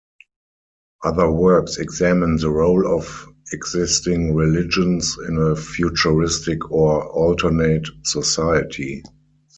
Other works examine the role of existing religions in a futuristic or alternate society.